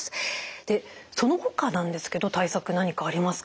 でそのほかなんですけど対策何かありますか？